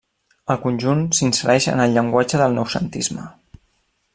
El conjunt s'insereix en el llenguatge del noucentisme.